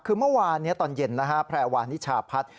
คือเมื่อวานตอนเย็นแล้วแพรวานิชาพัทร